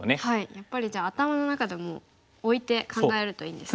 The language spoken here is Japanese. やっぱりじゃあ頭の中でもう置いて考えるといいんですね。